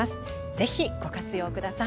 ぜひご活用ください。